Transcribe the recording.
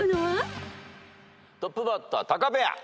トップバッタータカペア。